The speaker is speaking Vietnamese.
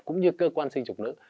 cũng như cơ quan sinh dục nữ